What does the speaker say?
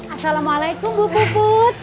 assalamualaikum bu bubut